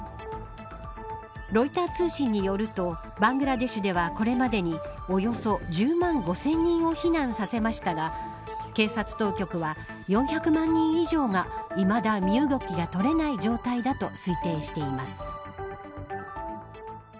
ロイター通信によるとバングラデシュでは、これまでにおよそ１０万５０００人を避難させましたが警察当局は４００万人以上がいまだ身動きが取れない状態だと推定しています。